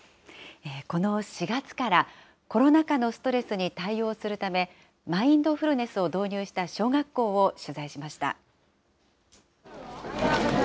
この４月から、コロナ禍のストレスに対応するため、マインドフルネスを導入した小学校を取材しました。